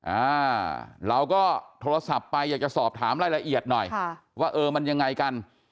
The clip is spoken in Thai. อ่าเราก็โทรศัพท์ไปอยากจะสอบถามรายละเอียดหน่อยค่ะว่าเออมันยังไงกัน